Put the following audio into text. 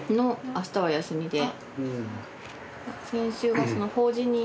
明日は休みで。